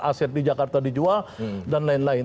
aset di jakarta dijual dan lain lain